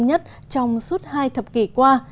nhất trong suốt hai thập kỷ qua